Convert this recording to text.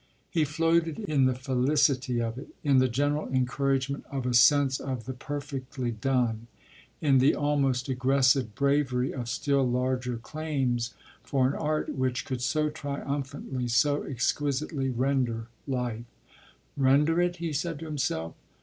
He floated in the felicity of it, in the general encouragement of a sense of the perfectly done, in the almost aggressive bravery of still larger claims for an art which could so triumphantly, so exquisitely render life. "Render it?" he said to himself.